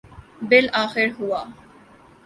بالآخر ہوا۔